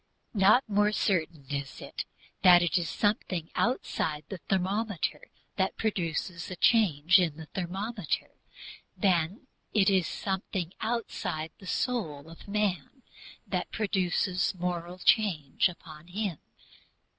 Not more certain is it that it is something outside the thermometer that produces a change in the thermometer, than it is SOMETHING OUTSIDE THE SOUL OF MAN that produces a moral change upon him.